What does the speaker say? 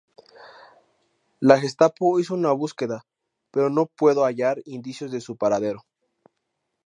La Gestapo hizo una búsqueda, pero no puedo hallar indicios de su paradero.